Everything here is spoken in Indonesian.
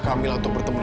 ada apa sih